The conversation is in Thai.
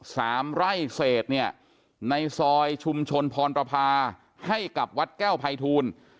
สามไร่เศษเนี่ยในซอยชุมชนพรประพาให้กับวัดแก้วภัยทูล